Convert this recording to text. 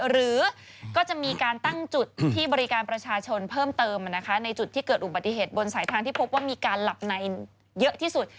หรือก็จะมีการตั้งจุดที่บริการประชาชนเพิ่มเติมในจุดที่เกิดอุบัติเหตุบนสายทางที่พบว่ามีการหลับในเยอะที่สุด